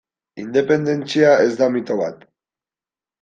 Independentzia ez da mito bat.